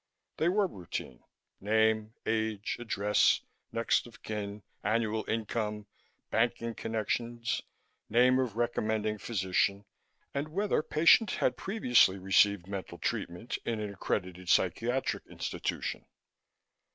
They were routine: Name, age, address, next of kin, annual income, banking connections, name of recommending physician, and whether patient had previously received mental treatment in an accredited psychiatric institution.